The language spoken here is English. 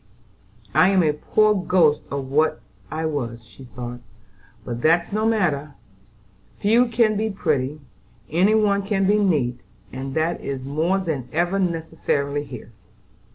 "I am a poor ghost of what I was," she thought; "but that's no matter: few can be pretty, any one can be neat, and that is more than ever necessary here."